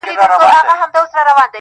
داوودزیو نجونه چینګې خولې حیرانه